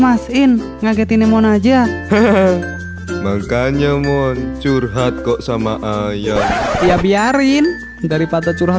memahmasin ngagetin emon aja hehehe makanya mon curhat kok sama ayah ya biarin dari patah curhat